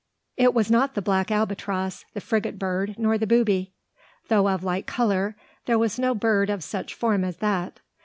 It was not the black albatross, the frigate bird, nor the booby. Though of like colour, there was no bird of such form as that.